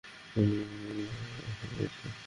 কেউ কি তোমাকে বলেছে এসব করতে?